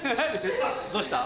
どうした？